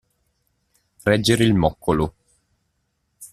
Reggere il moccolo.